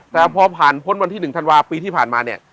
แต่พอผ่านพ้นวันที่๑ธันวาปีที่ผ่านมาเนี่ย